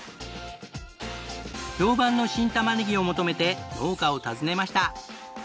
評判の新たまねぎを求めて農家を訪ねました。